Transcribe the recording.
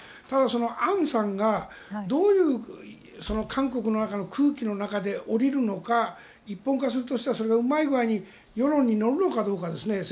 ただ、アンさんがどういう韓国の中の空気の中で降りるのか、一本化するとしたらそれがうまい具合に世論に乗るのかどうかですね。